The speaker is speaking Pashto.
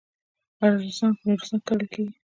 ارزن په نورستان کې کرل کیږي.